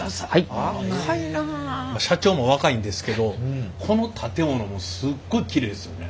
社長もお若いんですけどこの建物もすっごいきれいですよね。